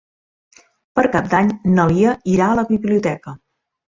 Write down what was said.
Per Cap d'Any na Lia irà a la biblioteca.